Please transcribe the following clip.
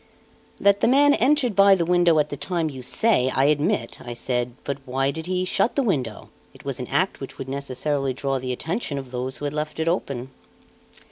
"That the man entered by the window at the time you say, I admit," I said; "but why did he shut the window? It was an act which would necessarily draw the attention of those who had left it open."